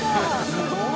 すごい！